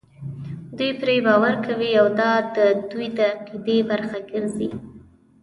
دوی پرې باور کوي او دا د دوی د عقیدې برخه ګرځي.